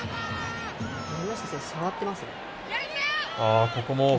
山下選手、触ってますね。